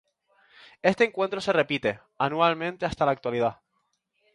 Este encuentro se repite anualmente hasta la actualidad.